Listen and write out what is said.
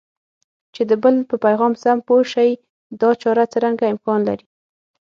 چې د بل په پیغام سم پوه شئ دا چاره څرنګه امکان لري؟